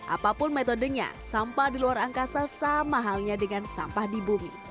apapun metodenya sampah di luar angkasa sama halnya dengan sampah di bumi